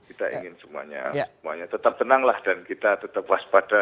kita ingin semuanya semuanya tetap tenanglah dan kita tetap waspada